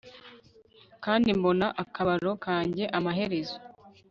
kandi mbona akababaro kanjye amaherezo